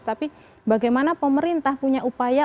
tapi bagaimana pemerintah punya upaya